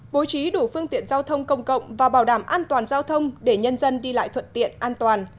bố trí đủ phương tiện giao thông công cộng và bảo đảm an toàn giao thông để nhân dân đi lại thuận tiện an toàn